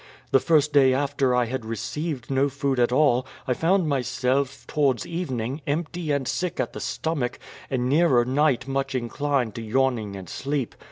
The first day after I had received no food at all, I found myself towards evening, empty and sick at the stomach, and nearer night much inclined to yawning and sleep.